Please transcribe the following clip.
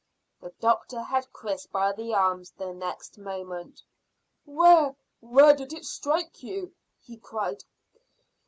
The doctor had Chris by the arms the next moment. "Where where did it strike you?" he cried.